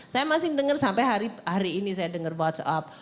saya masih dengar sampai hari ini saya dengar whatsapp